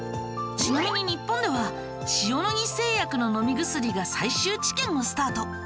ちなみに日本では塩野義製薬の飲み薬が最終治験をスタート。